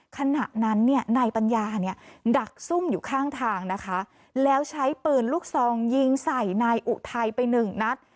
ขณะนั้นเนี่ยนายปัญญาเนี่ยดักซุ่มอยู่ข้างทางนะคะแล้วใช้ปืนลูกซองยิงใส่นายอุทัยไปหนึ่งนัด